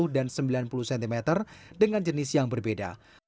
enam puluh delapan puluh dan sembilan puluh cm dengan jenis yang berbeda